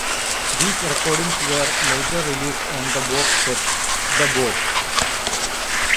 These recordings were later released on the box set "The Box".